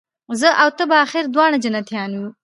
زه او ته به آخر دواړه جنتیان یو